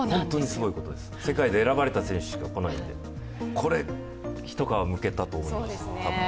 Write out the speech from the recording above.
世界で選ばれた選手しか来ないので、これは一皮むけたと思います。